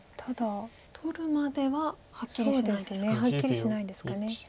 取るまでははっきりしないですか。はっきりしないですかね。